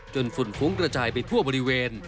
ฝุ่นฟุ้งกระจายไปทั่วบริเวณ